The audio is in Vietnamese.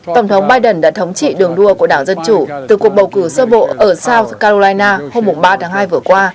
tổng thống biden đã thống trị đường đua của đảng dân chủ từ cuộc bầu cử sơ bộ ở south carolina hôm ba tháng hai vừa qua